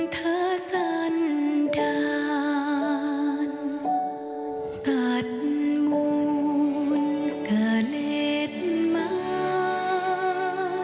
ท่านสัตว์มูลกะเล็ดมัน